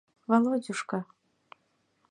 — Володюшка!